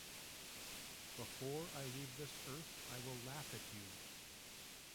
Before I leave this Earth, I will laugh at you.